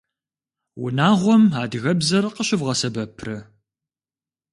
Унагъуэм адыгэбзэр къыщывгъэсэбэпрэ?